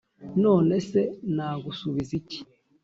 None se nagusubiza iki